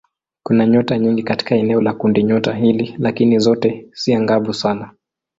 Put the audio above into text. Kuna nyota nyingi katika eneo la kundinyota hili lakini zote si angavu sana.